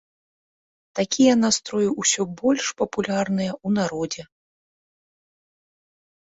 Такія настроі ўсё больш папулярныя ў народзе.